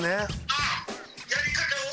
「ああやり方を？」